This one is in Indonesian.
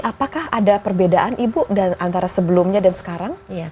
apakah ada perbedaan ibu antara sebelumnya dan sekarang